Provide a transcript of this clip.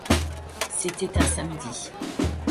C’était un samedi.